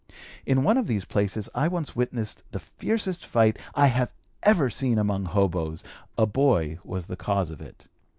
In one of these places I once witnessed the fiercest fight I have ever seen among hoboes; a boy was the cause of it.